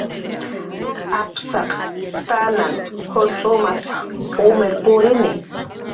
Apsaq tananh juncx'umas umt'ir purini